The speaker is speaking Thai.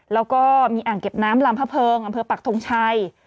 แล้วก็มีอ่างเก็บน้ำลำพะเพิงอำเภอปักทงชัย